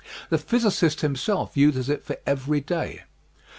The physicist himself uses it for everyday.